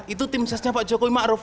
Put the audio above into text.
itu tim suksesnya pak jokowi ma'ruf